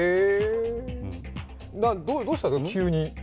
どうしたんですか、急に。